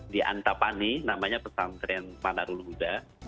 diantapani namanya pesantren manarul huda